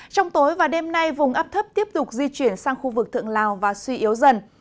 trong tối và đêm nay vùng áp thấp tiếp tục di chuyển sang khu vực thượng lào và suy yếu dần